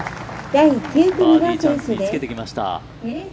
バーディーチャンスにつけてきました。